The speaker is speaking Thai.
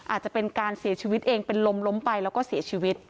อาจจะเป็นการเสียชีวิตเองเป็นลมล้มไปแล้วก็เสียชีวิต